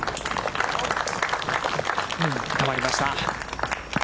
止まりました。